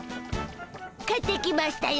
帰ってきましたよ